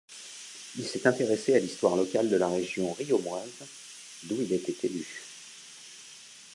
Il s'est intéressé à l'histoire locale de la région riomoise d'où il était élu.